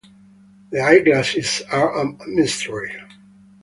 The eyeglasses are a mystery.